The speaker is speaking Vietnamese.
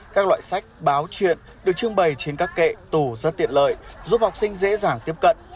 các loại sách báo chuyện được trưng bày trên các kệ tủ rất tiện lợi giúp học sinh dễ dàng tiếp cận